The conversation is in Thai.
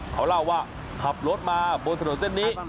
เขาเล่าว่าขับรถมาบนถนนเส้นนี้